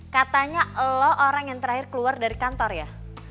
katanya lo orang yang terakhir keluar dari kantor ya